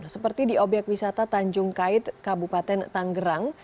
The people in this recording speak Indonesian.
seperti di obyek wisata tanjung kait kabupaten tanggerang